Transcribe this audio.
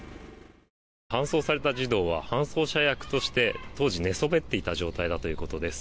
搬送された児童は搬送役として当時、寝そべっていた状態だったということです。